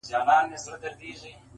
ځکه علماء کرام چې ستاسې